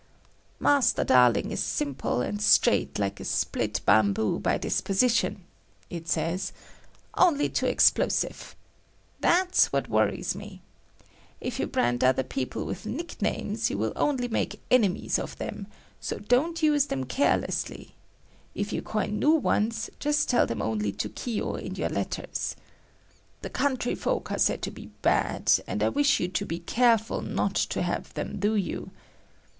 "Master Darling is simple and straight like a split bamboo by disposition," it says, "only too explosive. That's what worries me. If you brand other people with nicknames you will only make enemies of them; so don't use them carelessly; if you coin new ones, just tell them only to Kiyo in your letters. The countryfolk are said to be bad, and I wish you to be careful not have them do you.